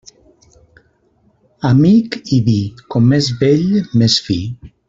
Amic i vi, com més vell més fi.